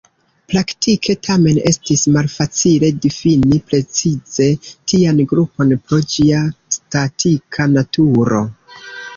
Praktike, tamen, estis malfacile difini precize tian grupon pro ĝia statika naturo.